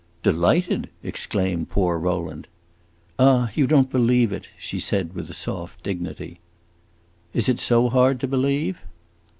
"Delighted!" exclaimed poor Rowland. "Ah, you don't believe it," she said with soft dignity. "Is it so hard to believe?"